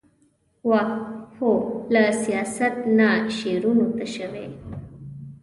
واه ! هو له سياست نه شعرونو ته شوې ،